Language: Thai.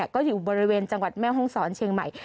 ก็อยู่บริเวณจังหวัดแม่ห้องศรเชียงใหม่